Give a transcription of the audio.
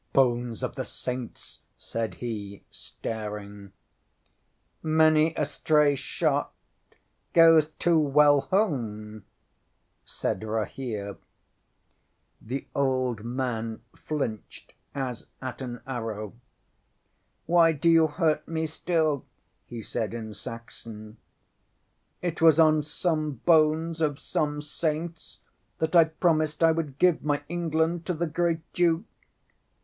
ŌĆśŌĆ£Bones of the Saints! ŌĆØ said he, staring. ŌĆśŌĆ£Many a stray shot goes too well home, ŌĆØ said Rahere. ŌĆśThe old man flinched as at an arrow. ŌĆ£Why do you hurt me still? ŌĆØ he said in Saxon. ŌĆ£It was on some bones of some Saints that I promised I would give my England to the Great Duke.